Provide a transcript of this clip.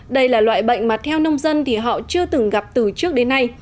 đây là loại bệnh mà theo nông dân thì họ chưa từng gặp từ trước đến nay